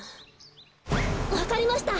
わかりました。